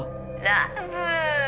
「ラブ」